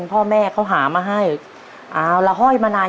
พระยา